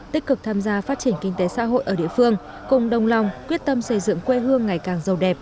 tích cực tham gia phát triển kinh tế xã hội ở địa phương cùng đồng lòng quyết tâm xây dựng quê hương ngày càng giàu đẹp